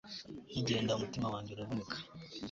nkigenda, umutima wanjye uravunika